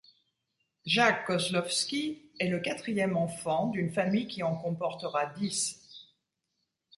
Jacques Koslowsky est le quatrième enfant d'une famille qui en comportera dix.